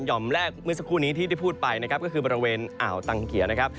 ่อมแรกเมื่อสักครู่นี้ที่ได้พูดไปนะครับก็คือบริเวณอ่าวตังเกียร์นะครับ